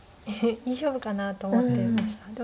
えっ以上かなと思ってました。